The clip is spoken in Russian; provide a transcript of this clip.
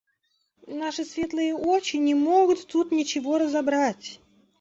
– Наши светлые очи не могут тут ничего разобрать.